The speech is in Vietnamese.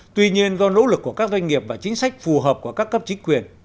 tuy nhiên do nỗ lực của các doanh nghiệp và chính sách phù hợp của các cấp chính quyền